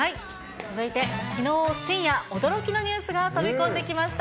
続いて、きのう深夜、驚きのニュースが飛び込んできました。